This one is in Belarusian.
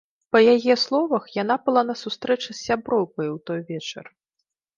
Па яе словах, яна была на сустрэчы з сяброўкай у той вечар.